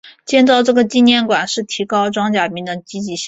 建造这个纪念馆是提高装甲兵的积极性。